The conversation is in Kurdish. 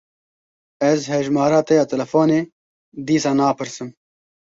Ez hejmara te ya telefonê dîsa napirsim.